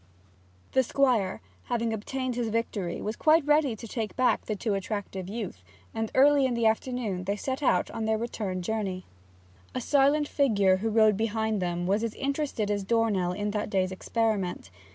The Squire, having obtained his victory, was quite ready to take back the too attractive youth, and early in the afternoon they set out on their return journey. A silent figure who rode behind them was as interested as Dornell in that day's experiment.